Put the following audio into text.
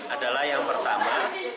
adalah yang pertama